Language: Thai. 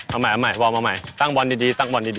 เอาใหม่วอร์มเอาใหม่ตั้งบอลดี